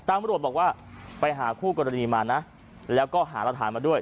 ตำรวจบอกว่าไปหาคู่กรณีมานะแล้วก็หารักฐานมาด้วย